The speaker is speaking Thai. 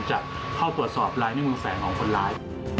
จะเข้าตรวจสอบลายนิ้วมือแสงของคนร้าย